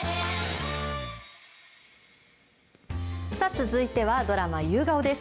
続いては、ドラマ夕顔です。